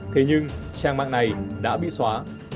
thế nhưng trang mạng này đã bị xóa